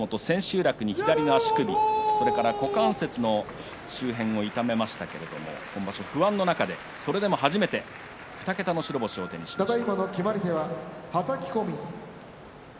楽に左の足首、それから股関節の周辺を痛めましたけれど今場所不安の中でそれでも初めて２桁の白星を手にしました。